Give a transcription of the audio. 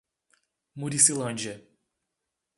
Muricilândia